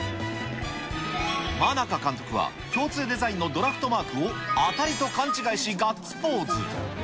真中監督は共通デザインのドラフトマークを当たりと勘違いし、ガッツポーズ。